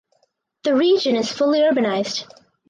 The region is fully urbanised.